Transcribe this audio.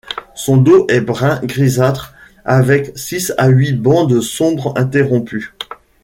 Son dos est brun grisâtre avec six à huit bandes sombres interrompues.